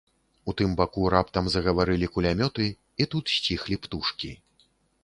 У тым баку раптам загаварылі кулямёты, і тут сціхлі птушкі.